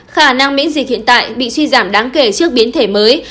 khả năng miễn dịch hiện tại bị suy giảm đáng kể trước biến thể mới